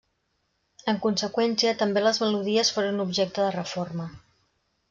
En conseqüència, també les melodies foren objecte de reforma.